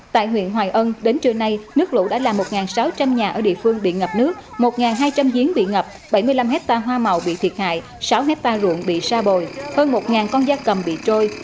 tại huyện hoài ân đến trưa nay nước lũ đã làm một sáu trăm linh nhà ở địa phương bị ngập nước một hai trăm linh giếng bị ngập bảy mươi năm hectare hoa màu bị thiệt hại sáu hectare ruộng bị sa bồi hơn một con da cầm bị trôi